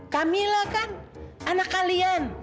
kamilah kan anak kalian